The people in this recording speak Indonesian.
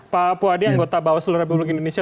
pak puwadi anggota bawaselera republik indonesia